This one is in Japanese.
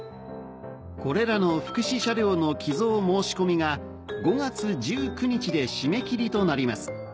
これらの福祉車両の寄贈申し込みが５月１９日で締め切りとなります